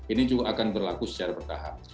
ini juga akan berlaku secara bertahap